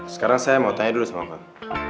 sekarang saya mau tanya dulu sama pak